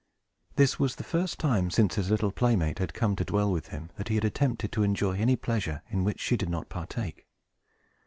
This was the first time, since his little playmate had come to dwell with him, that he had attempted to enjoy any pleasure in which she did not partake.